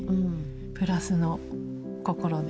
プラスの心で。